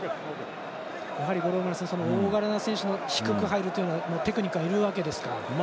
五郎丸さん、大柄の選手低く入るというのはテクニックがいるものですか？